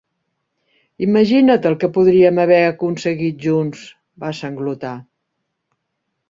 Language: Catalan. "Imagina't el que podríem haver aconseguit junts!" va sanglotar.